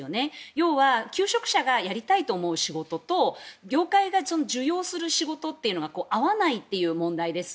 要は求職者がやりたいと思う仕事と業界が需要する仕事が合わないという問題です。